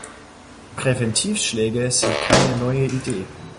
Präventivschläge sind keine neue Idee.